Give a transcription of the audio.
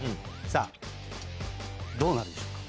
さぁどうなるでしょうか。